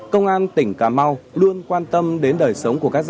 công an tỉnh cà mau luôn quan tâm đến đời sống của các dân